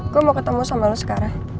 gue mau ketemu sama lo sekarang